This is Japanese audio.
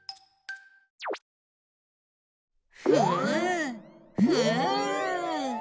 ふっふっ。